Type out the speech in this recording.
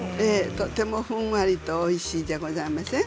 とてもふんわりとおいしいでございません？